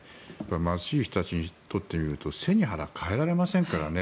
貧しい人にとってみると背に腹は代えられませんからね。